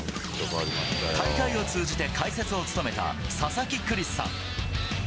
大会を通じて解説を務めた佐々木クリスさん。